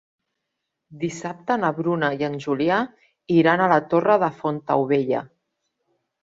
Dissabte na Bruna i en Julià iran a la Torre de Fontaubella.